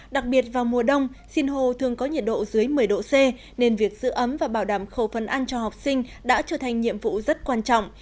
đặc biệt vào mùa đông sinh hồ thường có nhiệt độ dưới một mươi độ c nên việc giữ ấm và bảo đảm khẩu phân ăn cho học sinh đã trở thành nhiệm vụ rất quan trọng